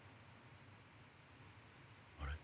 あれ？